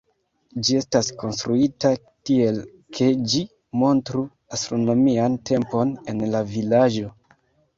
Ĝi estas konstruita tiel, ke ĝi montru astronomian tempon en la vilaĝo.